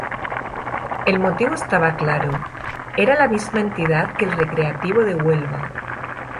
El motivo estaba claro, era la misma entidad que el Recreativo de Huelva.